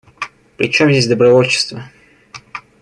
Причем здесь добровольчество?